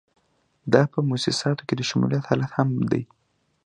دا په موسساتو کې د شمولیت حالت هم دی.